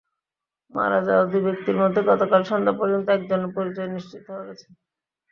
মারা যাওয়া দুই ব্যক্তির মধ্যে গতকাল সন্ধ্যা পর্যন্ত একজনের পরিচয় নিশ্চিত হওয়া গেছে।